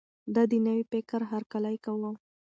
ده د نوي فکر هرکلی کاوه.